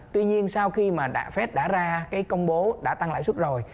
tuy nhiên sau khi mà fed đã ra cái công bố đã tăng lãi suất rồi